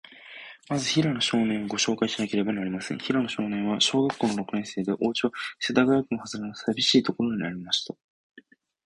まず、平野少年を、ごしょうかいしなければなりません。平野少年は、小学校の六年生で、おうちは、世田谷区のはずれの、さびしいところにありました。